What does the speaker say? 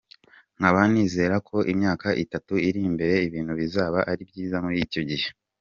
Nkaba nizera ko imyaka itatu iri imbere ibintu bizaba ari byiza muri icyo gihe.